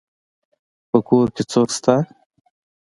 په کور کي څوک سته.